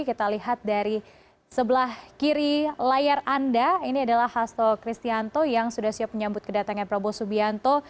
kita lihat dari sebelah kiri layar anda ini adalah hasto kristianto yang sudah siap menyambut kedatangan prabowo subianto